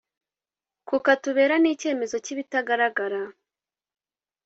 kukatubera n’icyemezo cy’ibitagaragara.